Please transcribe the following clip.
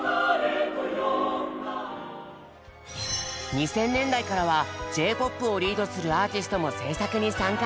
２０００年代からはＪ−ＰＯＰをリードするアーティストも制作に参加。